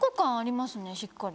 しっかり。